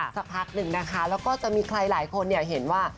สักพักหนึ่งนะคะแล้วก็จะมีใครหลายคนเห็นว่า